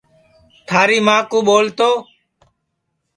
تھاری مائوں ٻول تو